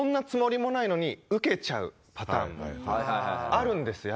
あるんですよ